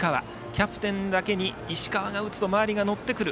キャプテンだけに石川が打つと周りが乗ってくる。